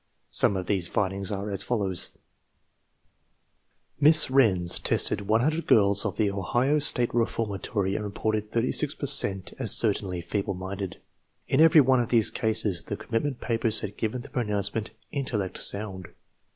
Some of these findings are as follows : Miss Renz tested 100 girls of the Ohio State Reformatory and reported 36 per cent as certainly feeble minded. In every one of these cases the commitment papers had given the pronouncement "intellect sound."